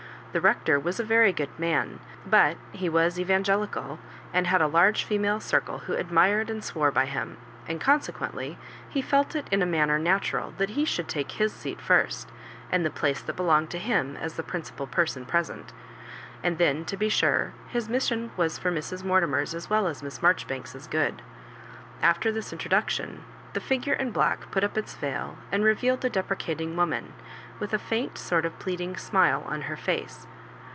The Hector was a very good man, but he was Evangelical, and had a large female circle who admired and swore by him ; and, consequently, he felt it in a man ner natural that he should take his seat first, and the place that belonged to him as the prin cipal person present; and then, to be sure, his mission was for Mrs. Mortimer's as well as Miss Marjoribanks*s *' good." After this introduction, the figure in black put up its veil, and revealed a deprecating woman, with a faint sort of plead ing smile on her fece.